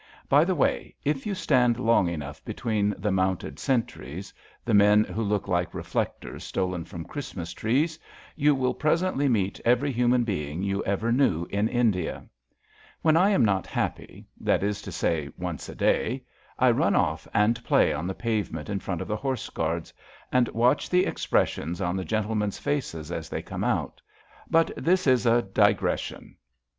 By the way, if you stand long enough between the mounted sentries — the men who look like reflectors stolen from Christmas trees — ^you will presently meet every human being you ever knew in India* When I am not happy — that is to say, once a day — ^I run off and play on the pavement in front of the Horse Guards, and watch the expressions on the gentlemen's faces as they come out. But this is a digression.